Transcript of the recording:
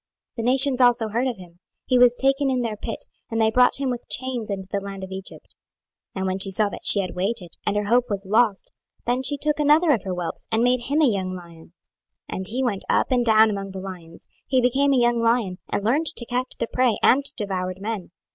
26:019:004 The nations also heard of him; he was taken in their pit, and they brought him with chains unto the land of Egypt. 26:019:005 Now when she saw that she had waited, and her hope was lost, then she took another of her whelps, and made him a young lion. 26:019:006 And he went up and down among the lions, he became a young lion, and learned to catch the prey, and devoured men.